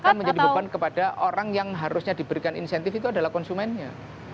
akan menjadi beban kepada orang yang harusnya diberikan insentif itu adalah konsumennya